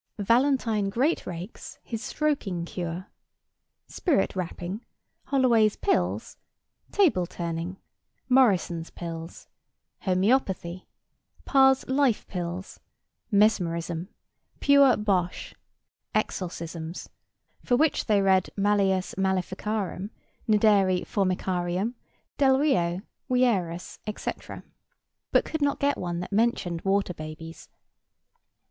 Valentine Greatrakes his Stroking Cure. Spirit rapping. Holloway's Pills. Table turning. Morison's Pills. Homœopathy. Parr's Life Pills. Mesmerism. Pure Bosh. Exorcisms, for which the read Maleus Maleficarum, Nideri Formicarium, Delrio, Wierus, etc. But could not get one that mentioned water babies.